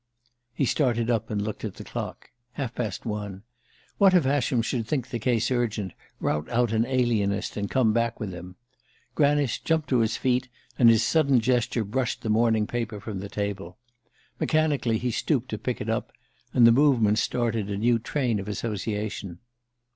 He started up and looked at the clock. Half past one. What if Ascham should think the case urgent, rout out an alienist, and come back with him? Granice jumped to his feet, and his sudden gesture brushed the morning paper from the table. Mechanically he stooped to pick it up, and the movement started a new train of association.